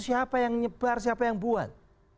siapa yang nyebar siapa yang buat